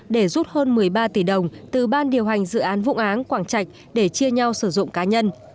để rút hơn một mươi ba tỷ đồng từ ban điều hành dự án vụ án quảng trạch để chia nhau sử dụng cá nhân